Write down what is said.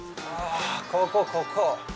ここ、ここ。